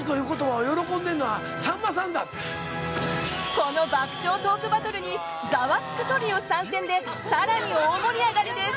この爆笑トークバトルに「ザワつく！」トリオ参戦で更に大盛り上がりです。